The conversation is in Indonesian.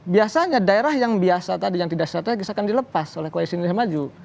biasanya daerah yang biasa tadi yang tidak strategis akan dilepas oleh koalisi indonesia maju